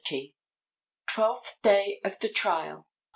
Twelfth Day of the Trial.